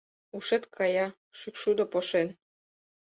Ушет кая, шӱкшудо пошен.